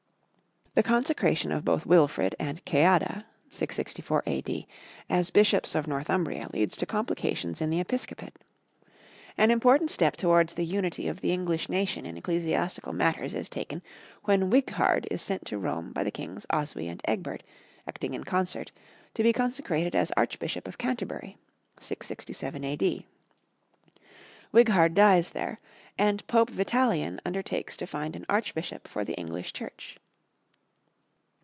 The consecration of both Wilfrid and Ceadda (664 A.D.), as bishops of Northumbria leads to complications in the episcopate. An important step towards the unity of the English nation in ecclesiastical matters is taken when Wighard is sent to Rome by the kings Oswy and Egbert, acting in concert, to be consecrated as Archbishop of Canterbury (667 A.D.). Wighard dies there, and Pope Vitalian undertakes to find an archbishop for the English Church.